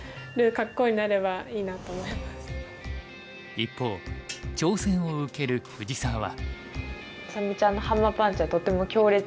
一方挑戦を受ける藤沢は。